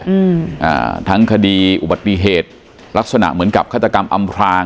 อืมอ่าทั้งคดีอุบัติเหตุลักษณะเหมือนกับฆาตกรรมอำพลาง